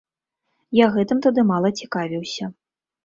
Я гэтым тады мала цікавіўся.